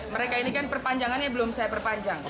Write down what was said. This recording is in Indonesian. mereka ini kan perpanjangannya belum saya perpanjang